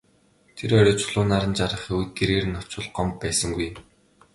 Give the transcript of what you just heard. Тэр орой Чулуун наран жаргахын үед гэрээр нь очвол Гомбо байсангүй.